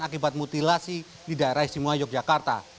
akibat mutilasi di daerah isimuayog jakarta